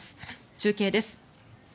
中継です。